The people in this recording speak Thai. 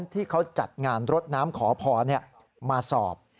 ที่เขาจัดงานรดน้ำขอพรมาสอบ